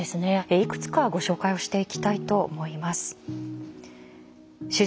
いくつかご紹介をしていきたいと思います。